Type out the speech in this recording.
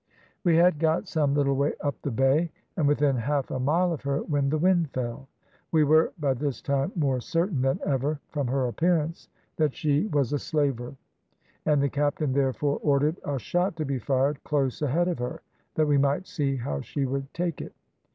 "We had got some little way up the bay, and within half a mile of her, when the wind fell. We were by this time more certain than ever, from her appearance, that she was a slaver, and the captain therefore ordered a shot to be fired close ahead of her, that we might see how she would take it.